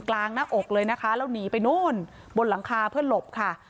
หน้าอกเลยนะคะแล้วหนีไปนู่นบนหลังคาเพื่อหลบค่ะ